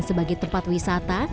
sebagai tempat wisata